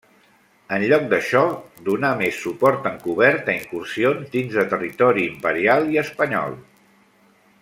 En lloc d'això, donà més suport encobert a incursions dins de territori imperial i espanyol.